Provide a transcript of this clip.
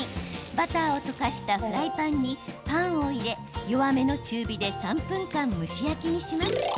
バターを溶かしたフライパンにパンを入れ、弱めの中火で３分間蒸し焼きにします。